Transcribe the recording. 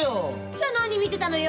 じゃあ、何見ていたのよ。